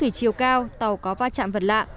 vì chiều cao tàu có va chạm vật lạ